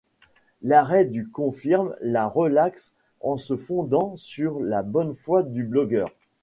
L'arrêt du confirme la relaxe en se fondant sur la bonne foi du blogueur.